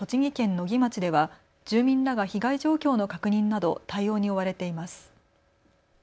野木町では住民らが被害状況の確認など対応に追われています。